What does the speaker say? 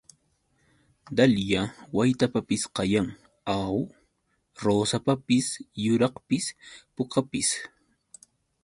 Dalya waytapis kayan, ¿aw? Rusapapis yuraqpis pukapis.